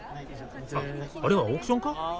あっあれはオークションか？